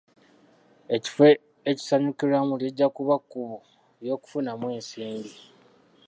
Ekifo ekisanyukirwamu lijja kuba kkubo ly'okufunamu ensimbi.